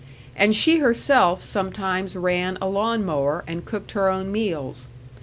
And she herself sometimes ran a lawn mower and cooked her own meals.